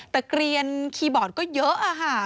แต่เกลียนคีย์บอร์ดก็เยอะค่ะ